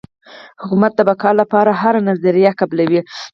حکومت د بقا لپاره هره نظریه قبلوي.